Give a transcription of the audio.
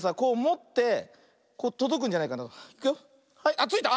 あっついた。